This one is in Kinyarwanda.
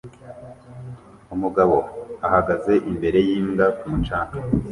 Umugabo ahagaze imbere yimbwa ku mucanga